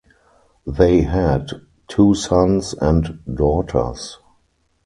They had two sons and daughters.